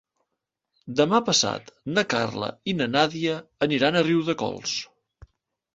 Demà passat na Carla i na Nàdia aniran a Riudecols.